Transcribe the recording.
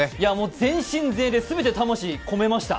全身全霊、全て魂を込めました。